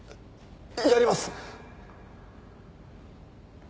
やります。